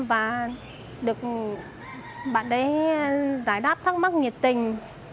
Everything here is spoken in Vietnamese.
và được bạn đấy giải đáp thắc mắc nhiệt tình